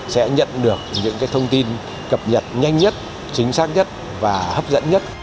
sẽ nhận được những thông tin cập nhật nhanh nhất chính xác nhất và hấp dẫn nhất